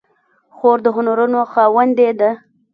خور د هنرونو خاوندې ده.